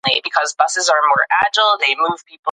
که ته ډوډۍ نه لرې، زه به درته کباب راوړم.